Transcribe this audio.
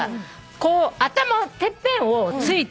こう頭てっぺんをついて。